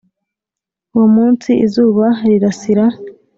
uwo munsi izuba rirasira.